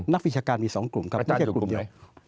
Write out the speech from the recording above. นักวิชาการมีสองกลุ่มครับไม่ใช่กลุ่มเดียวอาจารย์อยู่กลุ่มไหน